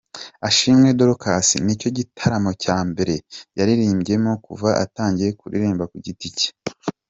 Ashimwe Dorcas nicyo gitaramo cya mbere yaririmbyemo kuva atangiye kuririmba ku giti cye.